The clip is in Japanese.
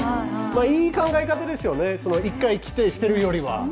いい考え方ですよね、１回着て捨てるよりは。